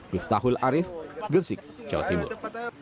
rif tahul arif gersik jawa timur